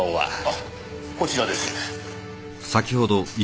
あこちらです。